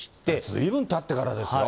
ずいぶんたってからですよ。